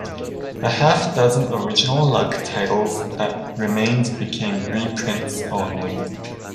The half-dozen original Lug titles that remained became reprints-only.